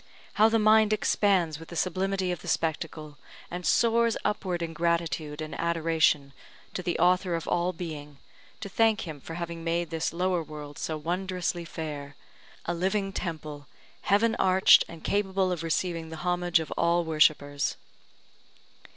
How the mind expands with the sublimity of the spectacle, and soars upward in gratitude and adoration to the Author of all being, to thank Him for having made this lower world so wondrously fair a living temple, heaven arched, and capable of receiving the homage of all worshippers.